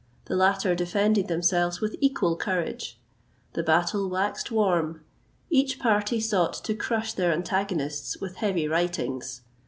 The latter defended themselves with equal courage. The battle waxed warm. Each party sought to crush their antagonists with heavy writings.